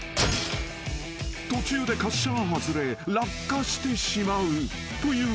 ［途中で滑車が外れ落下してしまうというドッキリ］